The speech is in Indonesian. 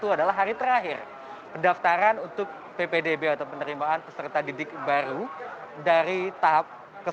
dua ribu dua puluh satu adalah hari terakhir pendaftaran untuk ppdb atau penerimaan peserta didik baru dari tahap ke satu